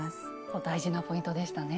ここ大事なポイントでしたね。